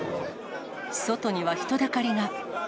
外には人だかりが。